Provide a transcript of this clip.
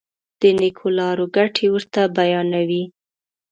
د نېکو لارو ګټې ورته بیانوي.